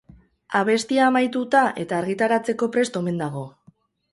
Abestia amaituta eta argitaratzeko prest omen dago.